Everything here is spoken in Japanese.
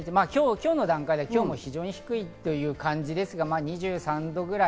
今日の段階で非常に低いという感じですが２３度ぐらい。